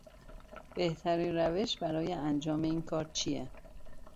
بهترین روش برای انجام این کار چیه